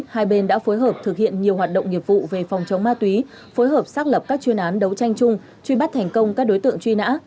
hai bên đã phối hợp thực hiện nhiều hoạt động nghiệp vụ về phòng chống ma túy phối hợp xác lập các chuyên án đấu tranh chung truy bắt thành công các đối tượng truy nã